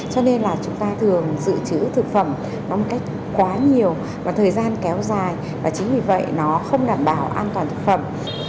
cho nên là chúng ta thường giữ chữ thực phẩm một cách quá nhiều và thời gian kéo dài và chính vì vậy nó không đảm bảo an toàn thực phẩm